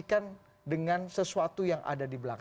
berarti kita bisa merefleksi dengan sesuatu yang ada di belakang